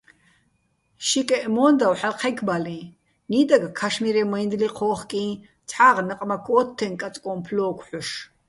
შიკეჸ მო́ნდავ ჰ̦ალო̆ ქჵექბალიჼ, ნიდაგ, ქაშმირეჼ მაჲნდლი ჴო́ხკიჼ, ცჰ̦აღ ნაყმაქ ო́თთეჼ კაწკოჼ ფლო́ქო̆ ჰ̦ოშ.